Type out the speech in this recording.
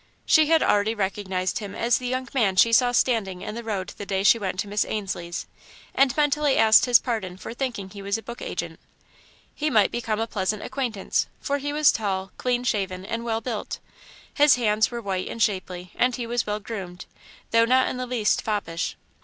She had already recognised him as the young man she saw standing in the road the day she went to Miss Ainslie's, and mentally asked his pardon for thinking he was a book agent. He might become a pleasant acquaintance, for he was tall, clean shaven, and well built. His hands were white and shapely and he was well groomed, though not in the least foppish.